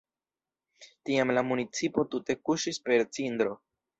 Tiam la municipo tute kuŝis per cindro.